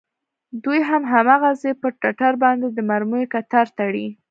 دوى هم هماغسې پر ټټر باندې د مرميو کتار تړي.